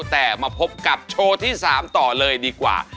แต่มาพบกับโชว์ที่๓ต่อเลยดีกว่า